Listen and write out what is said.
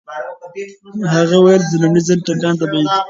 هغه وویل چې د لومړي ځل ټکان طبيعي دی.